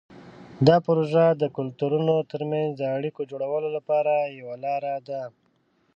دا پروژه د کلتورونو ترمنځ د اړیکو جوړولو لپاره یوه لاره ده.